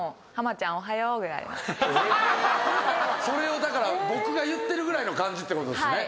それをだから僕が言ってるぐらいの感じってことですよね？